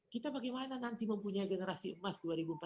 kita bagaimana nanti mempunyai generasi emas dua ribu empat puluh